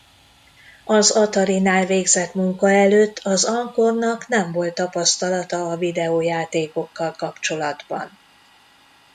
Az Atari-nál végzett munka előtt az Alcornnak nem volt tapasztalata a videojátékokkal kapcsolatban.